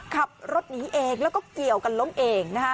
ขับรถหนีเองแล้วก็เกี่ยวกันล้มเอง